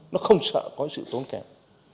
nó không sợ có sự tốn kèm